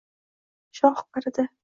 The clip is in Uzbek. Shoh qaridi